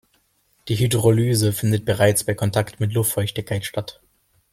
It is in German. Die Hydrolyse findet bereits bei Kontakt mit Luftfeuchtigkeit statt.